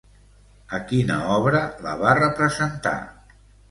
A quina obra la va representar?